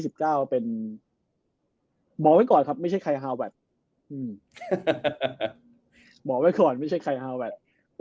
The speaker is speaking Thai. บอกไว้ก่อนครับไม่ใช่คายฮาวัด